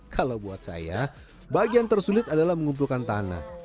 kalau buat saya bagian tersulit adalah mengumpulkan tanah